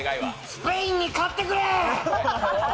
スペインに勝ってくれ！